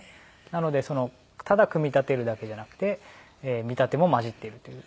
なのでただ組み立てるだけじゃなくて見立ても混じっているという。